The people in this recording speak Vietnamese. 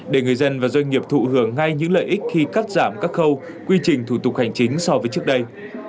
để người dân và doanh nghiệp thụ hưởng ngay những lợi ích khi cắt giảm các khâu quy trình thủ tục hành chính so với trước đây